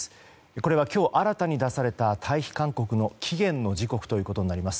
これは今日、新たに出された退避勧告の期限の時刻となります。